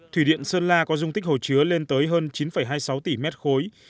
thủy điện sơn la có dung tích hồ chứa lên tới hơn chín hai mươi sáu tỷ mét khối